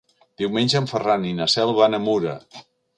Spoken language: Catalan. Diumenge en Ferran i na Cel van a Mura.